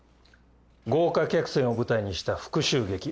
豪華客船を舞台にした復讐劇。